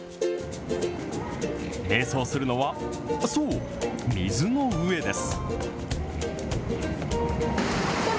めい想するのは、そう、水の上です。